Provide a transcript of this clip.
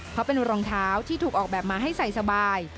เพราะเป็นรองเท้าที่ถูกออกแบบมาให้ใส่สบาย